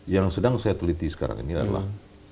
yang sedang saya teliti sekarang ini adalah